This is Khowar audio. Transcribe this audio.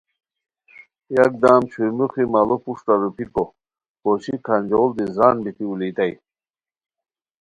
یکدم چھوئی موخی ماڑو پروشٹہ روپھیکو پوشی کھانجوڑ دی زران بیتی اولیتائے